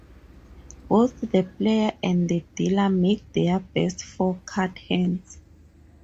Both the player and the dealer make their best four-card hands.